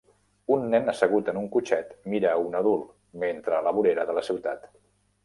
Un nen assegut en un cotxet mira a un adult mentre a la vorera de la ciutat.